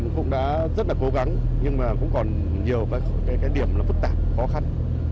cũng đã rất là cố gắng nhưng mà cũng còn nhiều cái điểm là phức tạp khó khăn